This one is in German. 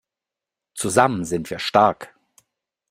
Zusammen sind wir stark!